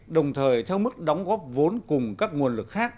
đồng thời theo mức đóng góp vốn cùng các nguồn lực khác